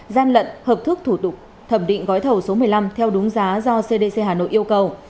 gian lận hợp thức thủ tục thẩm định gói thầu số một mươi năm theo đúng giá do cdc hà nội yêu cầu